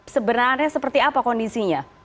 sebenarnya seperti apa kondisinya